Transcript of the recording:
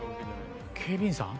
警備員さん？